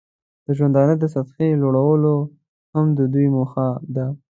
د ژوندانه د سطحې لوړول هم د دوی موخه ده.